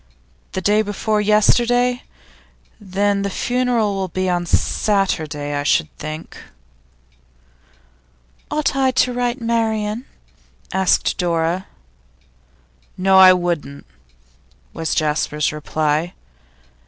The day before yesterday? Then the funeral will be on Saturday, I should think.' 'Ought I to write to Marian?' asked Dora. 'No; I wouldn't,' was Jasper's reply.